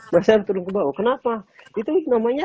mas syarif turun ke bawah kenapa itu namanya